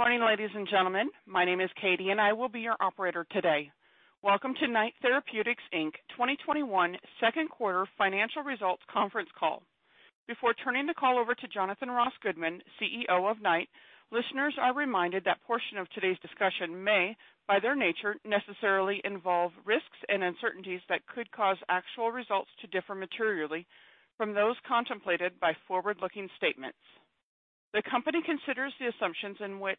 Good morning, ladies and gentlemen. My name is Katie. I will be your operator today. Welcome to Knight Therapeutics Inc. 2021 Second Quarter Financial Results Conference Call. Before turning the call over to Jonathan Ross Goodman, CEO of Knight, listeners are reminded that portion of today's discussion may, by their nature, necessarily involve risks and uncertainties that could cause actual results to differ materially from those contemplated by forward-looking statements. The company considers the assumptions in which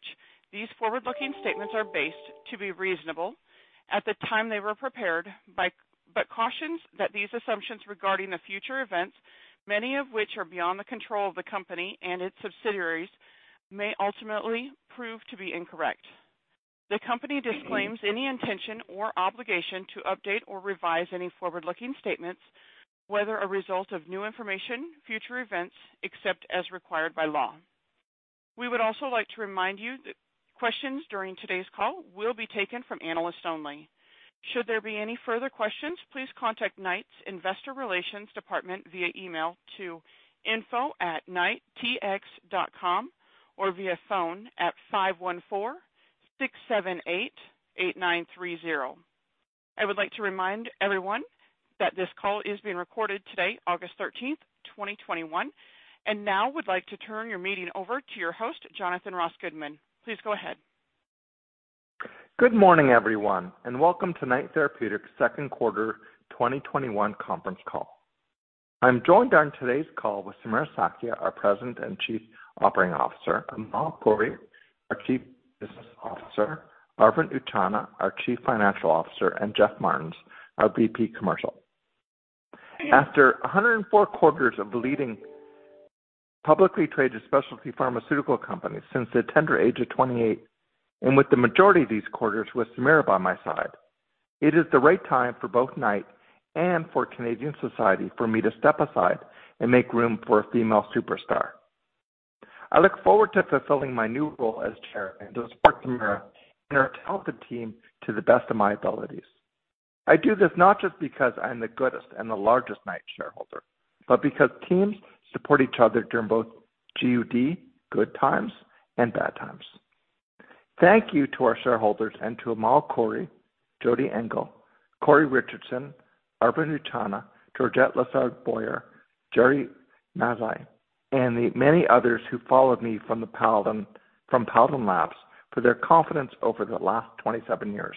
these forward-looking statements are based to be reasonable at the time they were prepared, but cautions that these assumptions regarding the future events, many of which are beyond the control of the company and its subsidiaries, may ultimately prove to be incorrect. The company disclaims any intention or obligation to update or revise any forward-looking statements, whether a result of new information, future events, except as required by law. We would also like to remind you that questions during today's call will be taken from analysts only. Should there be any further questions, please contact Knight's investor relations department via email to info@knighttx.com or via phone at (514) 678-8930. I would like to remind everyone that this call is being recorded today, August 13th, 2021. Now would like to turn your meeting over to your host, Jonathan Ross Goodman. Please go ahead. Good morning, everyone, and welcome to Knight Therapeutics' Second Quarter 2021 Conference Call. I'm joined on today's call with Samira Sakhia, our President and Chief Operating Officer, Amal Khouri, our Chief Business Officer, Arvind Utchanah, our Chief Financial Officer, and Jeff Martens, our VP Commercial. After 104 quarters of leading publicly traded specialty pharmaceutical companies since the tender age of 28, with the majority of these quarters with Samira by my side, it is the right time for both Knight and for Canadian society for me to step aside and make room for a female superstar. I look forward to fulfilling my new role as Chair and to support Samira and her talented team to the best of my abilities. I do this not just because I'm the greatest and the largest Knight shareholder, because teams support each other during both G-U-D, good times and bad times. Thank you to our shareholders and to Amal Khouri, Jody Engel, Corey Richardson, Arvind Utchanah, Georgette Lessard-Boyer, Gerry Mazzei, and the many others who followed me from Paladin Labs for their confidence over the last 27 years.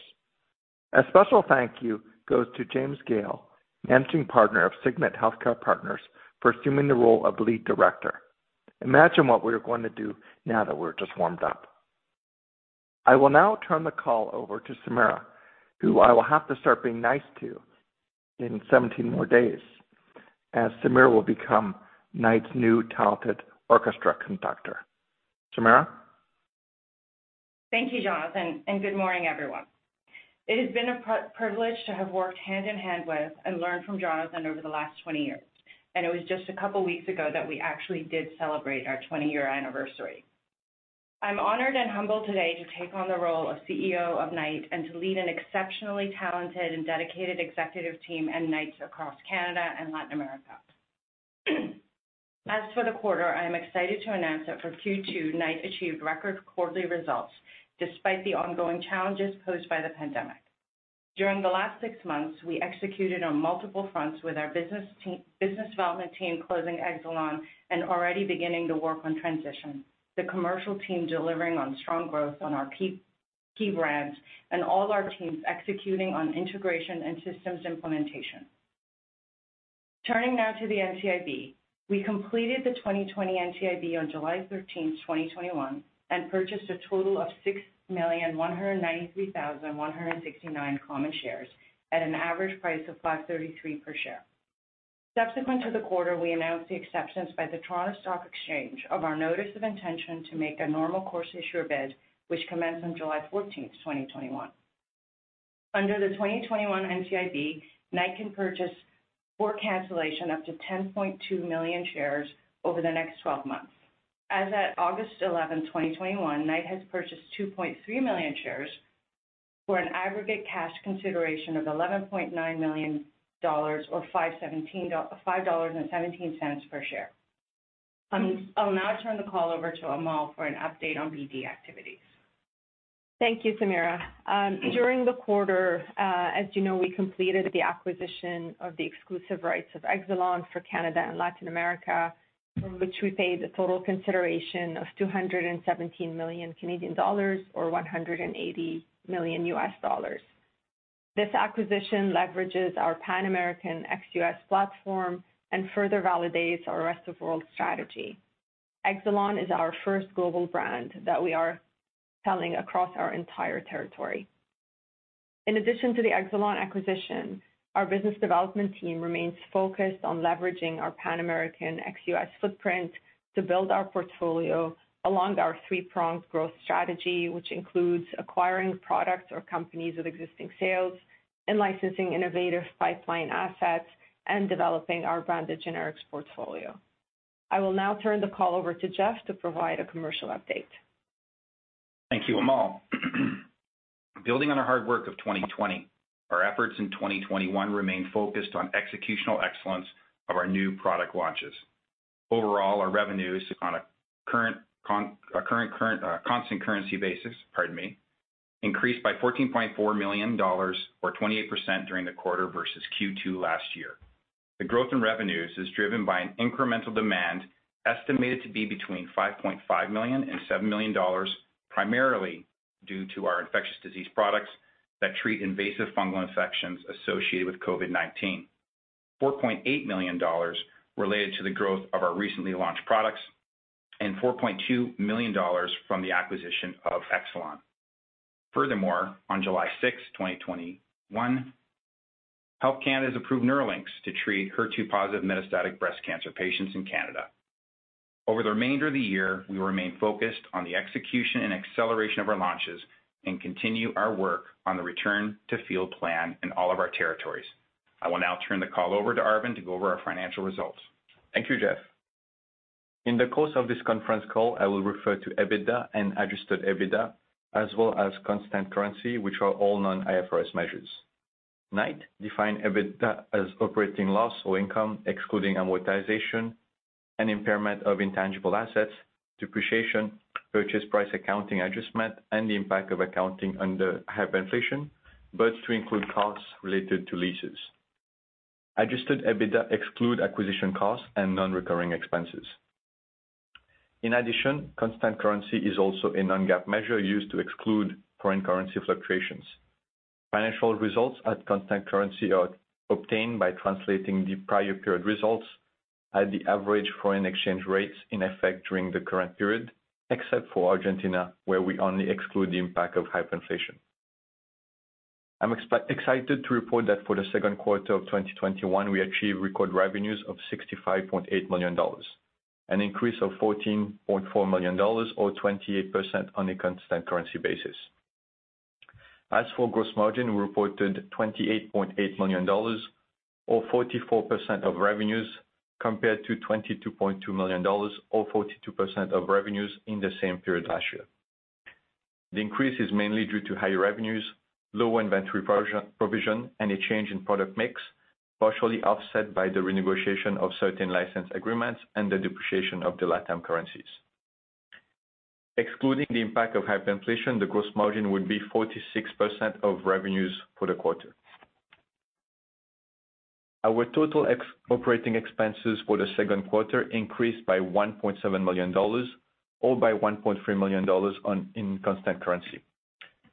A special thank you goes to James Gale, Managing Partner of Signet Healthcare Partners, for assuming the role of Lead Director. Imagine what we are going to do now that we're just warmed up. I will now turn the call over to Samira, who I will have to start being nice to in 17 more days as Samira will become Knight's new talented orchestra conductor. Samira? Thank you, Jonathan, and good morning, everyone. It has been a privilege to have worked hand in hand with and learned from Jonathan over the last 20 years, and it was just a couple of weeks ago that we actually did celebrate our 20-year anniversary. I am honored and humbled today to take on the role of CEO of Knight and to lead an exceptionally talented and dedicated executive team and Knights across Canada and Latin America. As for the quarter, I am excited to announce that for Q2, Knight achieved record quarterly results despite the ongoing challenges posed by the pandemic. During the last six months, we executed on multiple fronts with our business development team closing Exelon and already beginning to work on transition, the commercial team delivering on strong growth on our key brands, and all our teams executing on integration and systems implementation. Turning now to the NCIB. We completed the 2020 NCIB on July 13th, 2021, and purchased a total of 6,193,169 common shares at an average price of 5.33 per share. Subsequent to the quarter, we announced the acceptance by the Toronto Stock Exchange of our notice of intention to make a normal course issuer bid, which commenced on July 14th, 2021. Under the 2021 NCIB, Knight can purchase for cancellation up to 10.2 million shares over the next 12 months. As at August 11, 2021, Knight has purchased 2.3 million shares for an aggregate cash consideration of 11.9 million dollars or 5.17 dollars per share. I'll now turn the call over to Amal for an update on BD activities. Thank you, Samira. During the quarter, as you know, we completed the acquisition of the exclusive rights of Exelon for Canada and Latin America, for which we paid a total consideration of 217 million Canadian dollars or $180 million. This acquisition leverages our Pan-American ex-U.S. platform and further validates our rest-of-world strategy. Exelon is our first global brand that we are selling across our entire territory. In addition to the Exelon acquisition, our business development team remains focused on leveraging our Pan-American ex-U.S. footprint to build our portfolio along our three-pronged growth strategy, which includes acquiring products or companies with existing sales and licensing innovative pipeline assets and developing our branded generics portfolio. I will now turn the call over to Jeff to provide a commercial update. Thank you, Amal. Building on our hard work of 2020, our efforts in 2021 remain focused on executional excellence of our new product launches. Overall, our revenues on a constant currency basis, pardon me, increased by 14.4 million dollars, or 28% during the quarter versus Q2 last year. The growth in revenues is driven by an incremental demand estimated to be between 5.5 million and 7 million dollars, primarily due to our infectious disease products that treat invasive fungal infections associated with COVID-19. 4.8 million dollars related to the growth of our recently launched products, and 4.2 million dollars from the acquisition of Exelon. Furthermore, on July 6, 2021, Health Canada approved NERLYNX to treat HER2 positive metastatic breast cancer patients in Canada. Over the remainder of the year, we remain focused on the execution and acceleration of our launches and continue our work on the return to field plan in all of our territories. I will now turn the call over to Arvind to go over our financial results. Thank you, Jeff. In the course of this conference call, I will refer to EBITDA and adjusted EBITDA as well as constant currency, which are all non-IFRS measures. Knight define EBITDA as operating loss or income excluding amortization and impairment of intangible assets, depreciation, purchase price, accounting adjustment, and the impact of accounting under hyperinflation, but to include costs related to leases. Adjusted EBITDA exclude acquisition costs and non-recurring expenses. In addition, constant currency is also a non-GAAP measure used to exclude foreign currency fluctuations. Financial results at constant currency are obtained by translating the prior period results at the average foreign exchange rates in effect during the current period, except for Argentina, where we only exclude the impact of hyperinflation. I'm excited to report that for the second quarter of 2021, we achieved record revenues of 65.8 million dollars, an increase of 14.4 million dollars or 28% on a constant currency basis. As for gross margin, we reported CAD 28.8 million or 44% of revenues, compared to CAD 22.2 million or 42% of revenues in the same period last year. The increase is mainly due to higher revenues, low inventory provision, and a change in product mix, partially offset by the renegotiation of certain license agreements and the depreciation of the LATAM currencies. Excluding the impact of hyperinflation, the gross margin would be 46% of revenues for the quarter. Our total operating expenses for the second quarter increased by 1.7 million dollars, or by 1.3 million dollars in constant currency,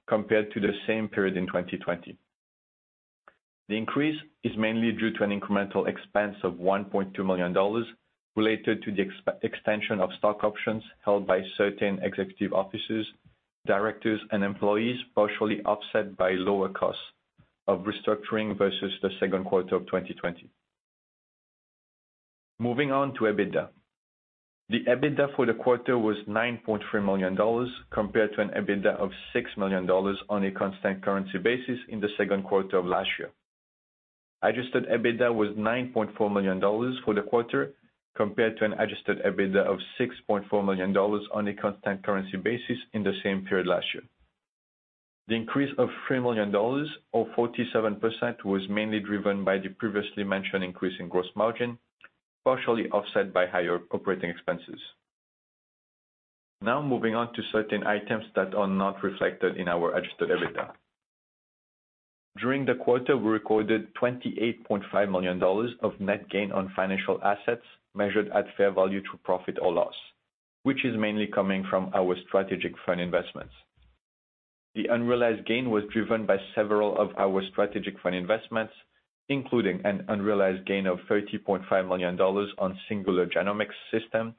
compared to the same period in 2020. The increase is mainly due to an incremental expense of 1.2 million dollars related to the extension of stock options held by certain executive officers, directors, and employees, partially offset by lower costs of restructuring versus the second quarter of 2020. Moving on to EBITDA. The EBITDA for the quarter was 9.3 million dollars, compared to an EBITDA of 6 million dollars on a constant currency basis in the second quarter of last year. Adjusted EBITDA was 9.4 million dollars for the quarter, compared to an adjusted EBITDA of 6.4 million dollars on a constant currency basis in the same period last year. The increase of 3 million dollars or 47% was mainly driven by the previously mentioned increase in gross margin, partially offset by higher operating expenses. Now moving on to certain items that are not reflected in our adjusted EBITDA. During the quarter, we recorded 28.5 million dollars of net gain on financial assets measured at fair value to profit or loss, which is mainly coming from our strategic fund investments. The unrealized gain was driven by several of our strategic fund investments, including an unrealized gain of 30.5 million dollars on Singular Genomics Systems,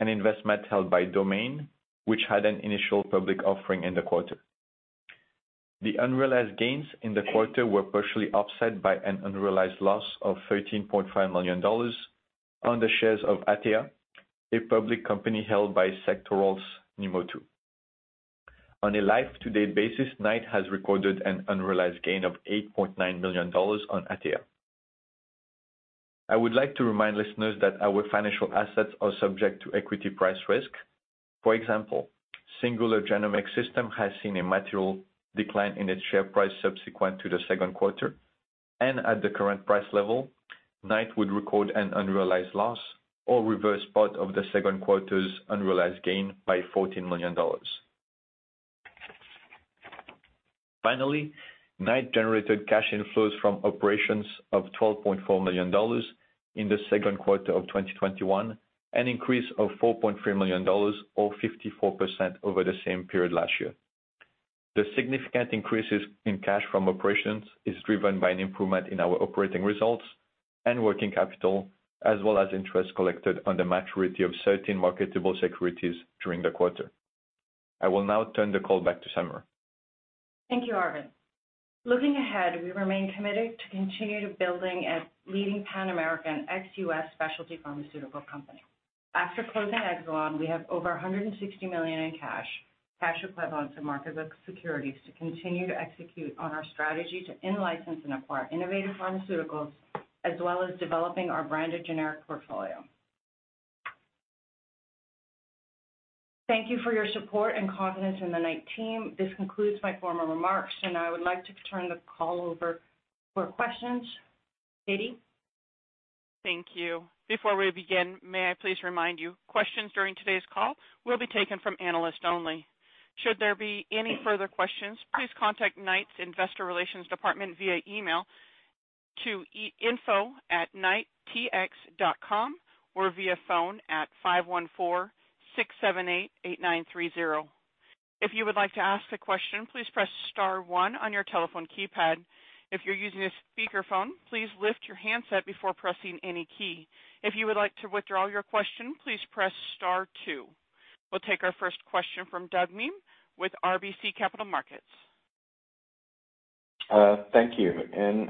an investment held by Domain, which had an initial public offering in the quarter. The unrealized gains in the quarter were partially offset by an unrealized loss of 13.5 million dollars on the shares of Atea, a public company held by Sectoral's NEMO. On a life-to-date basis, Knight has recorded an unrealized gain of 8.9 million dollars on Atea. I would like to remind listeners that our financial assets are subject to equity price risk. For example, Singular Genomics Systems has seen a material decline in its share price subsequent to the second quarter, and at the current price level, Knight would record an unrealized loss or reverse part of the second quarter's unrealized gain by CAD 14 million. Finally, Knight generated cash inflows from operations of 12.4 million dollars in the second quarter of 2021, an increase of 4.3 million dollars, or 54% over the same period last year. The significant increases in cash from operations is driven by an improvement in our operating results and working capital, as well as interest collected on the maturity of certain marketable securities during the quarter. I will now turn the call back to Samira. Thank you, Arvind. Looking ahead, we remain committed to continue to building a leading Pan-American ex-U.S. specialty pharmaceutical company. After closing Exelon, we have over 160 million in cash equivalents, and marketable securities to continue to execute on our strategy to in-license and acquire innovative pharmaceuticals as well as developing our branded generic portfolio. Thank you for your support and confidence in the Knight team. This concludes my formal remarks, and I would like to turn the call over for questions. Katie? Thank you. Before we begin, may I please remind you, questions during today's call will be taken from analysts only. Should there be any further questions, please contact Knight's Investor Relations department via email to info@knighttx.com or via phone at 514-678-8930. If you would like to ask a question please press star one on your telephone keypad. If you are using a speaker phone, please pick up your handset before pressing any key. If you would like to withdraw your question please press star two. We'll take our first question from Douglas Miehm with RBC Capital Markets. Thank you.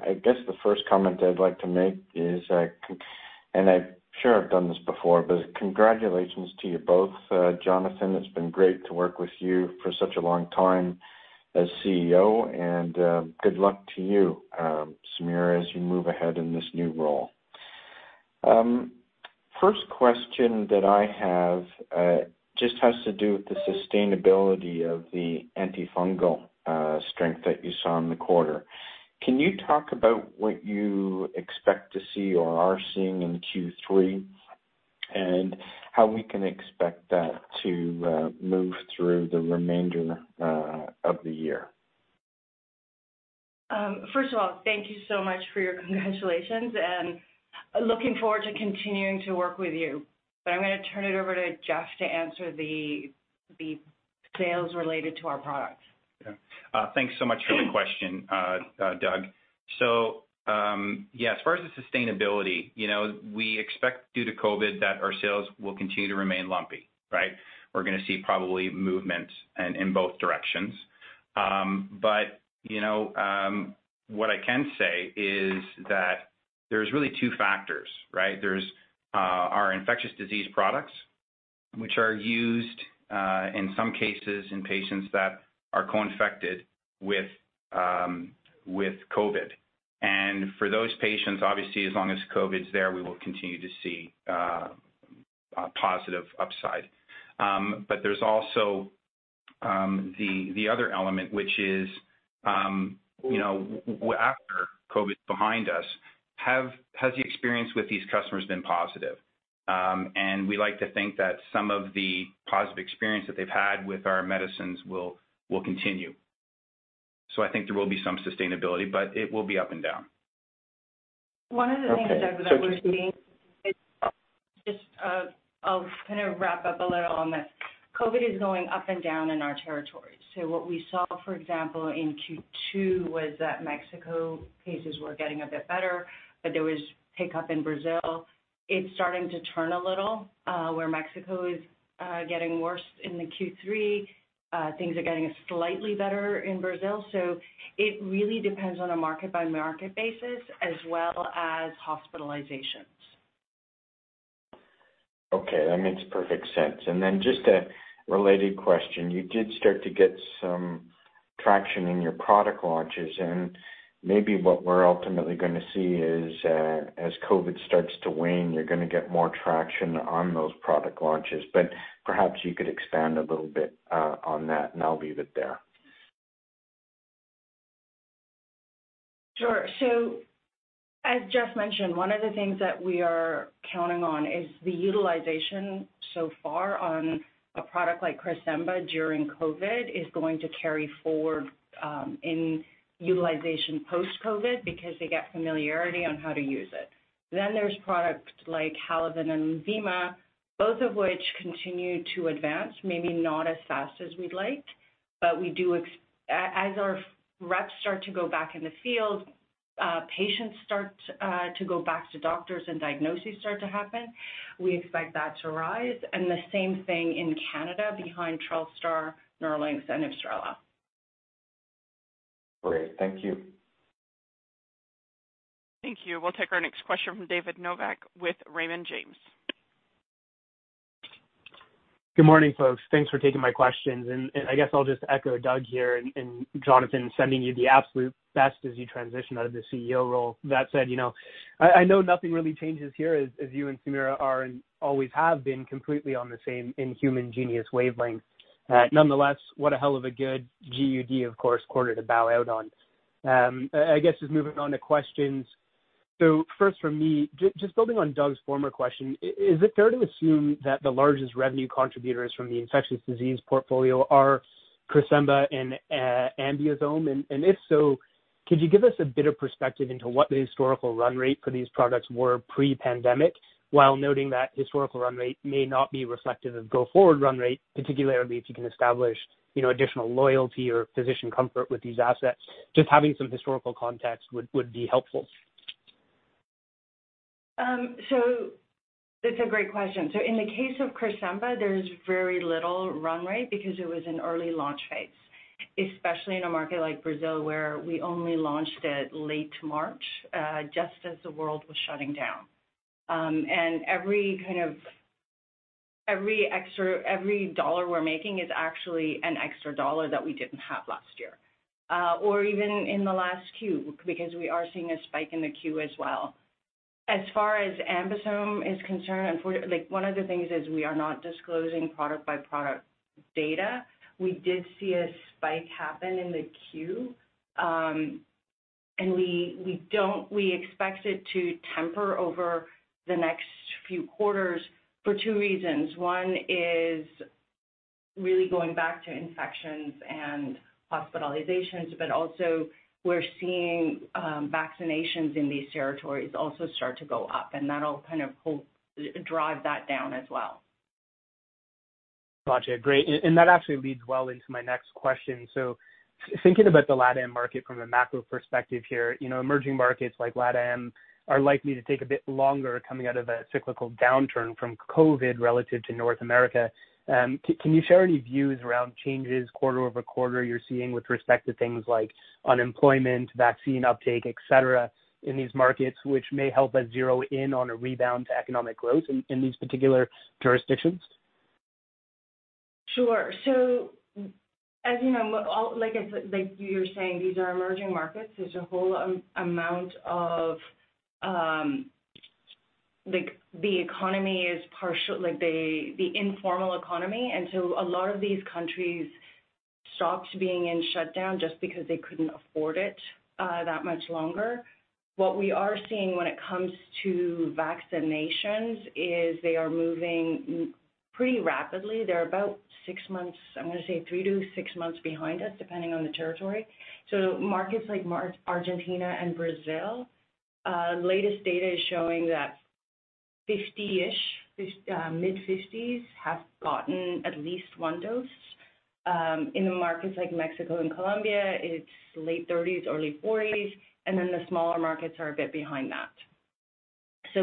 I guess the first comment I'd like to make is, I'm sure I've done this before, congratulations to you both. Jonathan, it's been great to work with you for such a long time as CEO, good luck to you, Samira, as you move ahead in this new role. First question that I have just has to do with the sustainability of the antifungal strength that you saw in the quarter. Can you talk about what you expect to see or are seeing in Q3, how we can expect that to move through the remainder of the year? First of all, thank you so much for your congratulations and looking forward to continuing to work with you. I'm going to turn it over to Jeff to answer the sales related to our products. Thanks so much for the question, Doug. As far as the sustainability, we expect due to COVID that our sales will continue to remain lumpy. Right? We're going to see probably movement in both directions. What I can say is that there's really two factors, right? There's our infectious disease products, which are used in some cases in patients that are co-infected with COVID. For those patients, obviously, as long as COVID's there, we will continue to see a positive upside. There's also the other element, which is, after COVID's behind us, has the experience with these customers been positive? We like to think that some of the positive experience that they've had with our medicines will continue. I think there will be some sustainability, but it will be up and down. Okay. One of the things, Doug, that we're seeing is just, I'll kind of wrap up a little on this. COVID is going up and down in our territories. What we saw, for example, in Q2 was that Mexico cases were getting a bit better, but there was pickup in Brazil. It's starting to turn a little, where Mexico is getting worse in the Q3. Things are getting slightly better in Brazil. It really depends on a market-by-market basis as well as hospitalizations. Okay. That makes perfect sense. Then just a related question. You did start to get some traction in your product launches. Maybe what we're ultimately going to see is, as COVID starts to wane, you're going to get more traction on those product launches. Perhaps you could expand a little bit on that, and I'll leave it there. Sure. As Jeff mentioned, one of the things that we are counting on is the utilization so far on a product like Cresemba during COVID is going to carry forward in utilization post-COVID because they get familiarity on how to use it. There's products like Halaven and Lenvima, both of which continue to advance, maybe not as fast as we'd like. As our reps start to go back in the field, patients start to go back to doctors, and diagnoses start to happen, we expect that to rise, and the same thing in Canada behind Trelstar, NERLYNX, and IBSRELA. Great. Thank you. Thank you. We'll take our next question from David Novak with Raymond James. Good morning, folks. Thanks for taking my questions. I guess I'll just echo Doug here and Jonathan, sending you the absolute best as you transition out of the CEO role. That said, I know nothing really changes here as you and Samira are, and always have been, completely on the same inhuman-genius wavelength. Nonetheless, what a hell of a good G-U-D, of course, quarter to bow out on. I guess just moving on to questions. First from me, just building on Doug's former question, is it fair to assume that the largest revenue contributors from the infectious disease portfolio are Cresemba and AmBisome? If so, could you give us a bit of perspective into what the historical run rate for these products were pre-pandemic, while noting that historical run rate may not be reflective of go-forward run rate, particularly if you can establish additional loyalty or physician comfort with these assets? Having some historical context would be helpful. That's a great question. In the case of Cresemba, there's very little run rate because it was an early launch phase, especially in a market like Brazil, where we only launched it late March, just as the world was shutting down. Every dollar we're making is actually an extra dollar that we didn't have last year. Even in the last Q, because we are seeing a spike in the Q as well. As far as AmBisome is concerned, one of the things is we are not disclosing product-by-product data. We did see a spike happen in the Q. We expect it to temper over the next few quarters for two reasons. One is really going back to infections and hospitalizations, but also we're seeing vaccinations in these territories also start to go up, and that'll drive that down as well. Got you. Great. That actually leads well into my next question. Thinking about the LATAM market from a macro perspective here, emerging markets like LATAM are likely to take a bit longer coming out of a cyclical downturn from COVID relative to North America. Can you share any views around changes quarter-over-quarter you're seeing with respect to things like unemployment, vaccine uptake, et cetera, in these markets, which may help us zero in on a rebound to economic growth in these particular jurisdictions? Sure. As you're saying, these are emerging markets. There's a whole amount of the economy is partial, the informal economy. A lot of these countries stopped being in shutdown just because they couldn't afford it that much longer. What we are seeing when it comes to vaccinations is they are moving pretty rapidly. They're about six months, I'm going to say three to six months behind us, depending on the territory. Markets like Argentina and Brazil, latest data is showing that 50-ish, mid-50s, have gotten at least one dose. In the markets like Mexico and Colombia, it's late 30s, early 40s, the smaller markets are a bit behind that.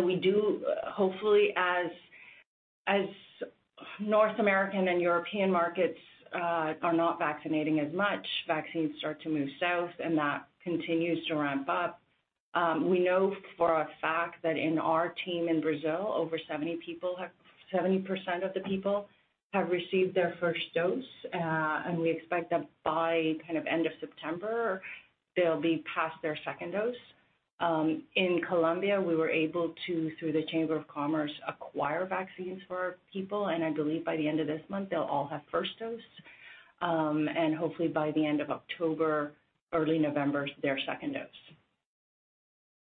We do, hopefully as North American and European markets are not vaccinating as much, vaccines start to move south, and that continues to ramp up. We know for a fact that in our team in Brazil, over 70% of the people have received their first dose. We expect that by end of September, they'll be past their second dose. In Colombia, we were able to, through the Chamber of Commerce, acquire vaccines for our people, and I believe by the end of this month, they'll all have first dose. Hopefully by the end of October, early November, their second dose.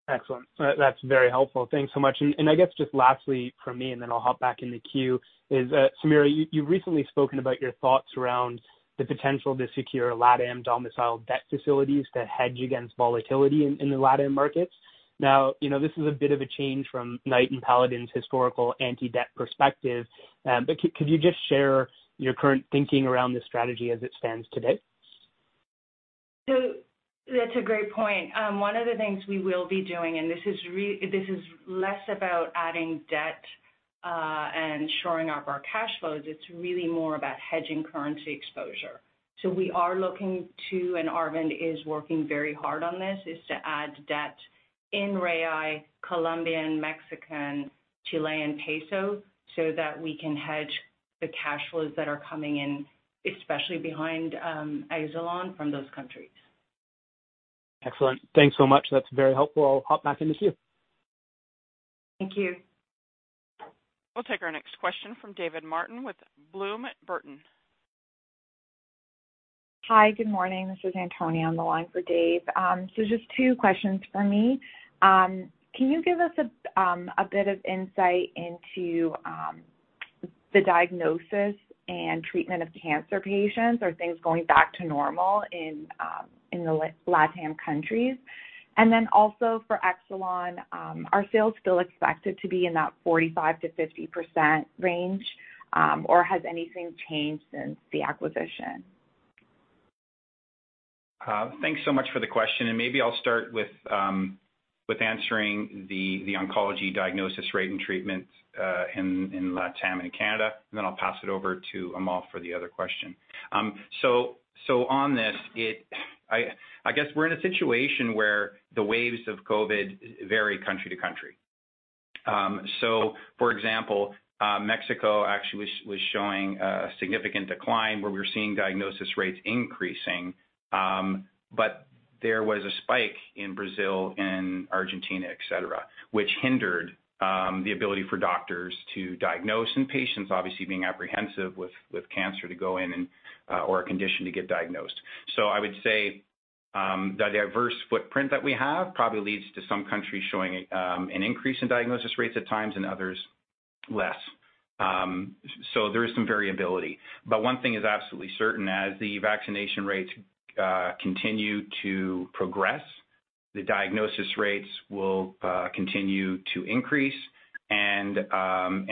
Excellent. That's very helpful. Thanks so much. I guess just lastly from me, and then I'll hop back in the queue, is Samira, you've recently spoken about your thoughts around the potential to secure LATAM domicile debt facilities to hedge against volatility in the LATAM markets. Now, this is a bit of a change from Knight and Paladin's historical anti-debt perspective. Could you just share your current thinking around this strategy as it stands today? That's a great point. One of the things we will be doing, and this is less about adding debt and shoring up our cash flows, it's really more about hedging currency exposure. We are looking to, and Arvind is working very hard on this, is to add debt in real Colombian, Mexican, Chilean peso so that we can hedge the cash flows that are coming in, especially behind Exelon from those countries. Excellent. Thanks so much. That's very helpful. I'll hop back in the queue. Thank you. We'll take our next question from David Martin with Bloom Burton. Hi, good morning. This is Antonia on the line for Dave. Just two questions for me. Can you give us a bit of insight into the diagnosis and treatment of cancer patients? Are things going back to normal in the LATAM countries? For Exelon, are sales still expected to be in that 45%-50% range? Has anything changed since the acquisition? Thanks so much for the question. Maybe I'll start with answering the oncology diagnosis rate and treatment in LATAM and in Canada, then I'll pass it over to Amal for the other question. On this, I guess we're in a situation where the waves of COVID vary country to country. For example, Mexico actually was showing a significant decline where we were seeing diagnosis rates increasing, but there was a spike in Brazil and Argentina, et cetera, which hindered the ability for doctors to diagnose and patients obviously being apprehensive with cancer to go in or a condition to get diagnosed. I would say the diverse footprint that we have probably leads to some countries showing an increase in diagnosis rates at times and others less. There is some variability. One thing is absolutely certain, as the vaccination rates continue to progress, the diagnosis rates will continue to increase and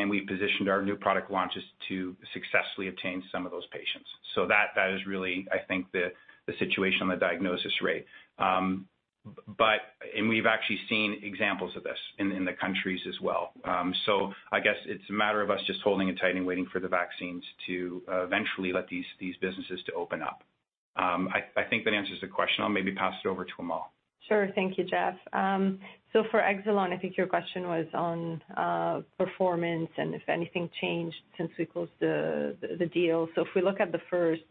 we've positioned our new product launches to successfully obtain some of those patients. That is really, I think, the situation on the diagnosis rate. We've actually seen examples of this in the countries as well. I guess it's a matter of us just holding it tight and waiting for the vaccines to eventually let these businesses to open up. I think that answers the question. I'll maybe pass it over to Amal. Sure. Thank you, Jeff. For Exelon, I think your question was on performance and if anything changed since we closed the deal. If we look at the first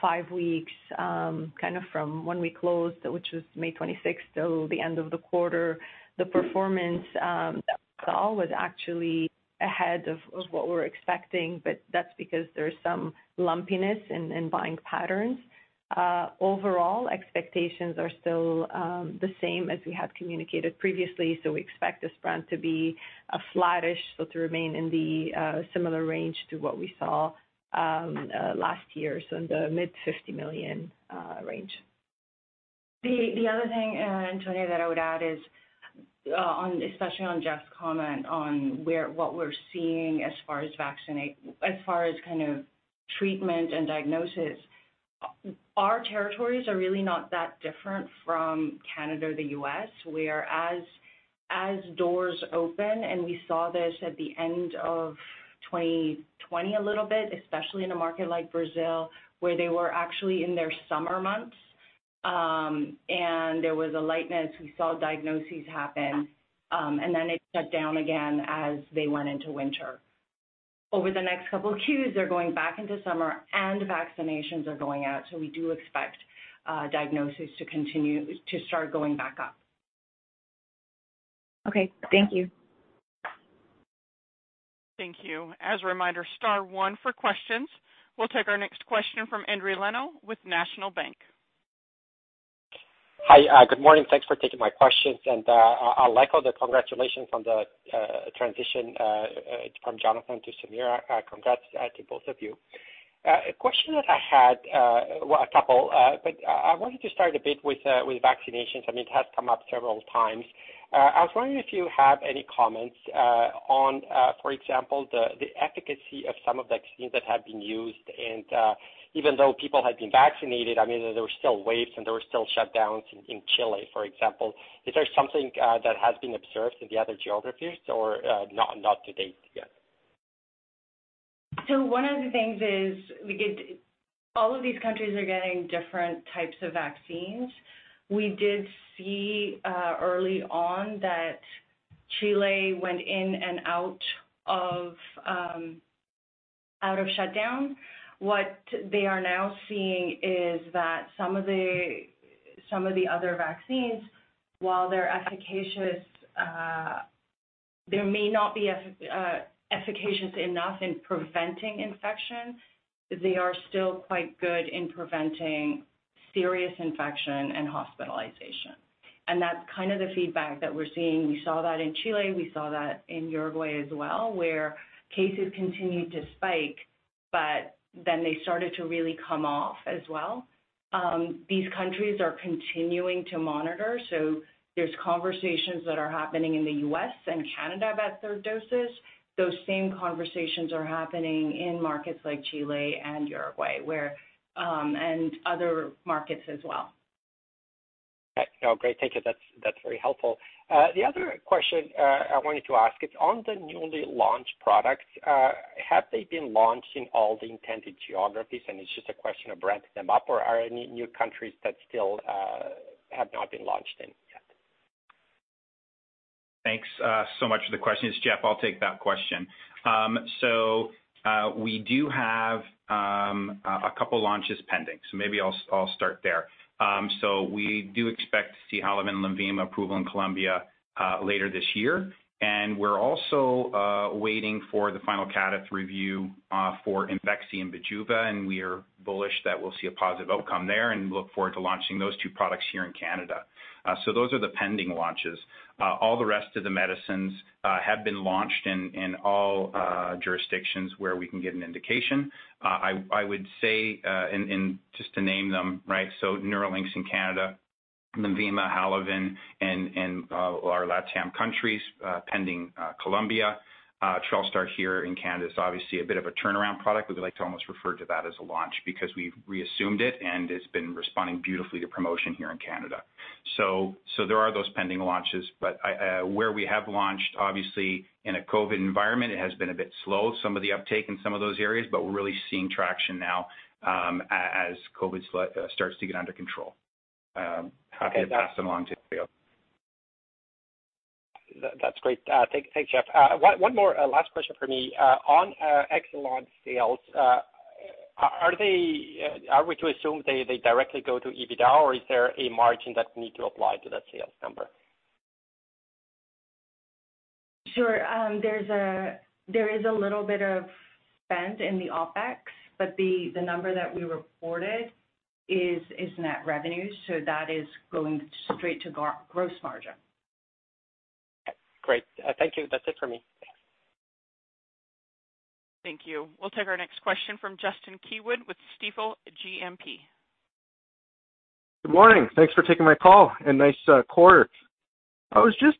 five weeks, from when we closed, which was May 26th till the end of the quarter, the performance that we saw was actually ahead of what we were expecting, but that's because there's some lumpiness in buying patterns. Overall, expectations are still the same as we have communicated previously. We expect this brand to be flattish, so to remain in the similar range to what we saw last year. In the mid 50 million range. The other thing, Antonia, that I would add is, especially on Jeff's comment on what we're seeing as far as treatment and diagnosis, our territories are really not that different from Canada or the U.S. We are as doors open, and we saw this at the end of 2020 a little bit, especially in a market like Brazil, where they were actually in their summer months, and there was a lightness. We saw diagnoses happen, and then it shut down again as they went into winter. Over the next couple of Qs, they're going back into summer, and vaccinations are going out. We do expect diagnoses to start going back up. Okay. Thank you. Thank you. As a reminder, star one for questions. We'll take our next question from Endri Leno with National Bank. Hi. Good morning. Thanks for taking my questions. I'll echo the congratulations on the transition from Jonathan to Samira. Congrats to both of you. A question that I had, well, a couple, I wanted to start a bit with vaccinations. I mean, it has come up several times. I was wondering if you have any comments on, for example, the efficacy of some of the vaccines that have been used even though people had been vaccinated, I mean, there were still waves and there were still shutdowns in Chile, for example. Is there something that has been observed in the other geographies or not to date yet? One of the things is all of these countries are getting different types of vaccines. We did see early on that Chile went in and out of shutdown. What they are now seeing is that some of the other vaccines, while they're efficacious, they may not be efficacious enough in preventing infection. They are still quite good in preventing serious infection and hospitalization. That's kind of the feedback that we're seeing. We saw that in Chile. We saw that in Uruguay as well, where cases continued to spike, but then they started to really come off as well. These countries are continuing to monitor, so there's conversations that are happening in the U.S. and Canada about third doses. Those same conversations are happening in markets like Chile and Uruguay, and other markets as well. Great. Thank you. That's very helpful. The other question I wanted to ask is on the newly launched products. Have they been launched in all the intended geographies and it's just a question of ramping them up, or are there any new countries that still have not been launched in yet? Thanks so much for the question. It's Jeff. I will take that question. We do have a couple launches pending. Maybe I will start there. We do expect to see Halaven and Lenvima approval in Colombia later this year, and we are also waiting for the final CADTH review for IMVEXXY and BIJUVA, and we are bullish that we'll see a positive outcome there and look forward to launching those two products here in Canada. Those are the pending launches. All the rest of the medicines have been launched in all jurisdictions where we can get an indication. I would say, and just to name them, NERLYNX in Canada, Lenvima, Halaven in all our LATAM countries, pending Colombia. Trelstar here in Canada is obviously a bit of a turnaround product. We like to almost refer to that as a launch because we've reassumed it, and it's been responding beautifully to promotion here in Canada. There are those pending launches, but where we have launched, obviously in a COVID environment, it has been a bit slow, some of the uptake in some of those areas, but we're really seeing traction now as COVID starts to get under control. Happy to pass along to Amal. That's great. Thanks, Jeff. One more last question from me. On Exelon sales, are we to assume they directly go to EBITDA, or is there a margin that we need to apply to that sales number? Sure. There is a little bit of spend in the OpEx, but the number that we reported is net revenue. That is going straight to gross margin. Okay, great. Thank you. That's it for me. Thanks. Thank you. We'll take our next question from Justin Keywood with Stifel GMP. Good morning. Thanks for taking my call, and nice quarter. I was just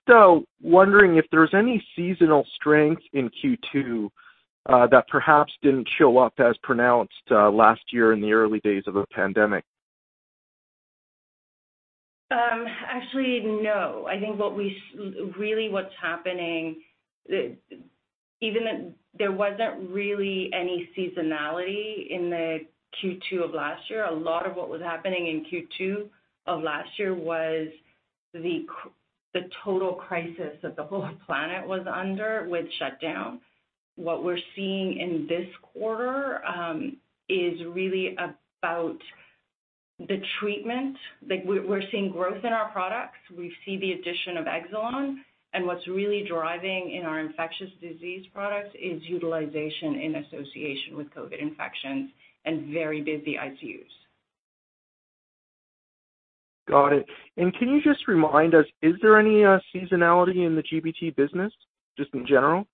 wondering if there was any seasonal strength in Q2 that perhaps didn't show up as pronounced last year in the early days of the pandemic. Actually, no. I think really what's happening, there wasn't really any seasonality in the Q2 of last year. A lot of what was happening in Q2 of last year was the total crisis that the whole planet was under with shutdown. What we're seeing in this quarter is really about the treatment. We're seeing growth in our products. We see the addition of Exelon, and what's really driving in our infectious disease products is utilization in association with COVID infections and very busy ICUs. Got it. Can you just remind us, is there any seasonality in the GBT business, just in general?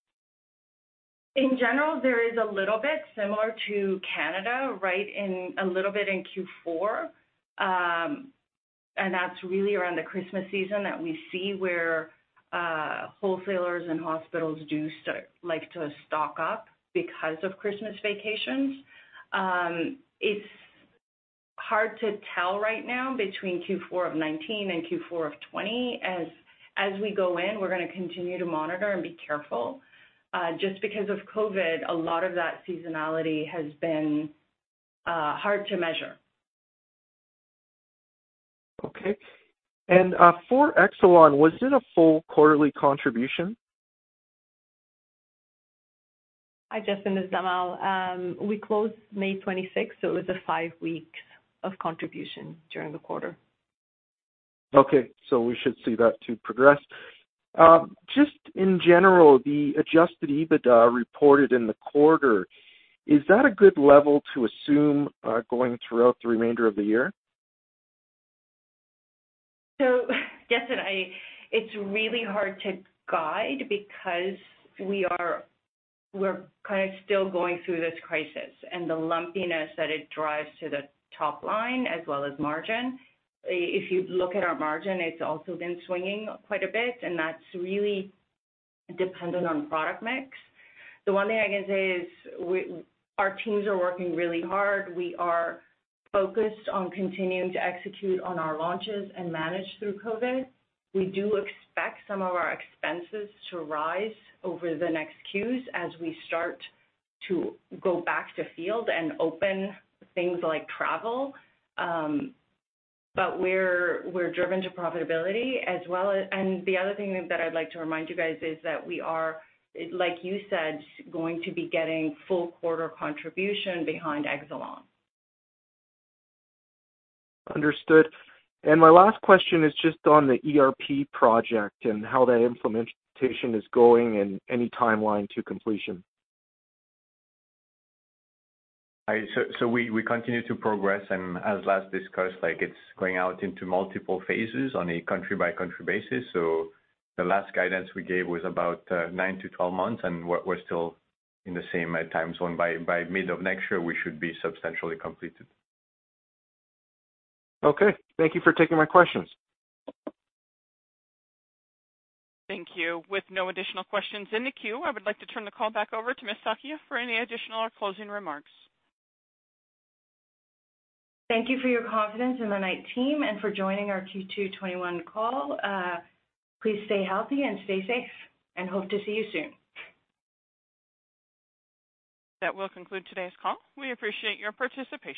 In general, there is a little bit similar to Canada, right, a little bit in Q4. That's really around the Christmas season that we see where wholesalers and hospitals do like to stock up because of Christmas vacations. It's hard to tell right now between Q4 of 2019 and Q4 of 2020. As we go in, we're going to continue to monitor and be careful. Just because of COVID, a lot of that seasonality has been hard to measure. Okay. For Exelon, was it a full quarterly contribution? Hi, Justin, it's Amal. We closed May 26th. It was a five weeks of contribution during the quarter. Okay. We should see that too progress. Just in general, the adjusted EBITDA reported in the quarter, is that a good level to assume going throughout the remainder of the year? Justin, it's really hard to guide because we're kind of still going through this crisis and the lumpiness that it drives to the top line as well as margin. If you look at our margin, it's also been swinging quite a bit, and that's really dependent on product mix. The one thing I can say is our teams are working really hard. We are focused on continuing to execute on our launches and manage through COVID. We do expect some of our expenses to rise over the next Qs as we start to go back to field and open things like travel. We're driven to profitability as well. The other thing that I'd like to remind you guys is that we are, like you said, going to be getting full quarter contribution behind Exelon. Understood. My last question is just on the ERP project and how that implementation is going and any timeline to completion? We continue to progress and as last discussed, it's going out into multiple phases on a country-by-country basis. The last guidance we gave was about 9 to 12 months, and we're still in the same time zone. By mid of next year, we should be substantially completed. Okay. Thank you for taking my questions. Thank you. With no additional questions in the queue, I would like to turn the call back over to Ms. Sakhia for any additional or closing remarks. Thank you for your confidence in the Knight team and for joining our Q2 2021 call. Please stay healthy and stay safe, and hope to see you soon. That will conclude today's call. We appreciate your participation.